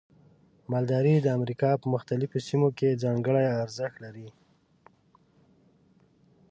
مالداري د امریکا په مختلفو سیمو کې ځانګړي ارزښت لري.